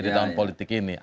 di tahun politik ini